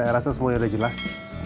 saya rasa semuanya sudah jelas